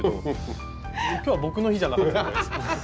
今日は僕の日じゃなかったです。